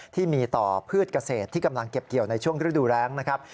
ที่มีต่อพืชเกษตรที่กำลังเก็บเกี่ยวในช่วงฤดูแรงนะครับ